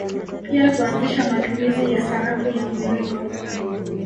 Pia kuanzisha matumizi ya sarafu ya mviringo